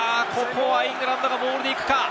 イングランドがモールに行くか。